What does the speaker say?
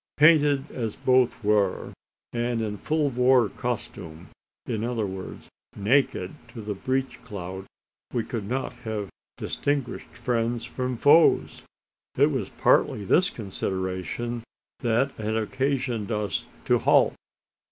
Painted as both were, and in full war costume in other words, naked to the breech clout we could not have distinguished friends from foes! It was partly this consideration that had occasioned us to halt.